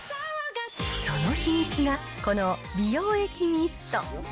その秘密が、この美容液ミスト。